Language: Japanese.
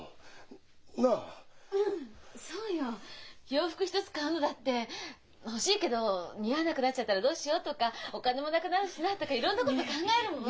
洋服一つ買うのだって「欲しいけど似合わなくなっちゃったらどうしよう」とか「お金もなくなるしな」とかいろんなこと考えるもの。